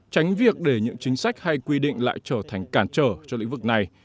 tránh việc để những chính sách hay quy định lại trở thành cản trở cho lĩnh vực này